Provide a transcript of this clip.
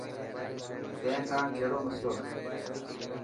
تين کان ڪهڙو مصلو هي.